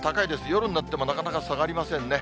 夜になっても、なかなか下がりませんね。